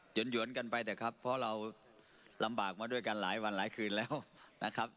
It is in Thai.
หวนกันไปเถอะครับเพราะเราลำบากมาด้วยกันหลายวันหลายคืนแล้วนะครับ